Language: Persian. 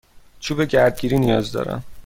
چوب گردگیری نیاز دارم.